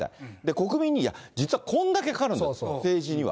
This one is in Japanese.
国民に、いや、実はこんだけかかるんだと、政治には。